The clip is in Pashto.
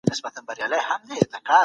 که انلاین ټولګي وي چاپېریال ارام وي.